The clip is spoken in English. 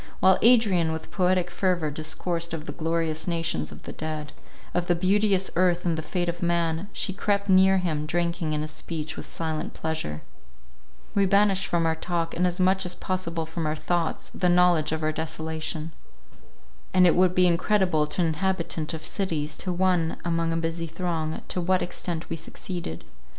While Adrian with poetic fervour discoursed of the glorious nations of the dead, of the beauteous earth and the fate of man, she crept near him, drinking in his speech with silent pleasure. We banished from our talk, and as much as possible from our thoughts, the knowledge of our desolation. And it would be incredible to an inhabitant of cities, to one among a busy throng, to what extent we succeeded.